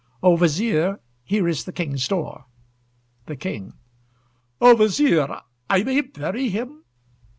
O Vizier, here is the King's door! THE KING O Vizier, I may bury him?